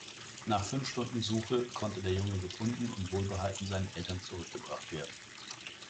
Nach fünf Stunden Suche konnte der Junge gefunden und wohlbehalten seinen Eltern zurückgebracht werden.